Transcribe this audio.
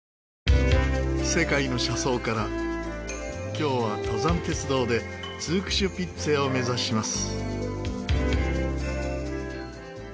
今日は登山鉄道でツークシュピッツェを目指します。